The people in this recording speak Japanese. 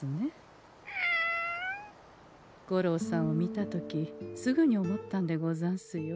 五郎さんを見た時すぐに思ったんでござんすよ。